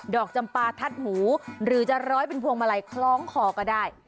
จำปลาทัดหูหรือจะร้อยเป็นพวงมาลัยคล้องคอก็ได้